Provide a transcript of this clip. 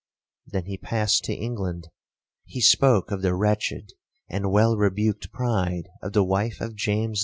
Then he passed to England; he spoke of the wretched and well rebuked pride of the wife of James II.